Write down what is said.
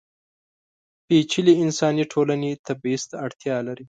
پېچلې انساني ټولنې تبعیض ته اړتیا لري.